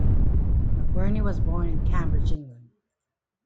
McBurney was born in Cambridge, England.